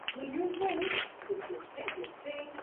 De ese modo disminuye ya claramente la velocidad.